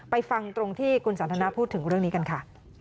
ฟังตรงที่คุณสันทนาพูดถึงเรื่องนี้กันค่ะ